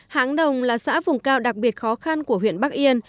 háng đồng là xã vùng cao đặc biệt khó khăn của huyện bắc yên